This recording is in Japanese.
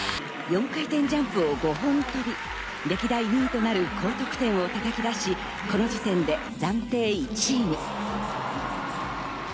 ４回転ジャンプを５本跳び、歴代２位となる高得点をたたき出し、この時点で暫定１位に。